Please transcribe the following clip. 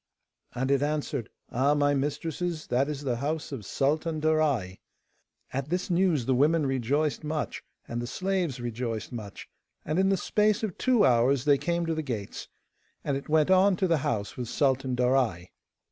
And it answered, 'Ah, my mistresses, that is the house of Sultan Darai.' At this news the women rejoiced much, and the slaves rejoiced much, and in the space of two hours they came to the gates, and the gazelle bade them all stay behind, and it went on to the house with Sultan Darai.